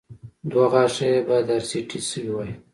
دوه غاښه يې باید ار سي ټي شوي وای